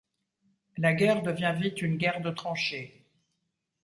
La guerre devient vite une guerre de tranchée.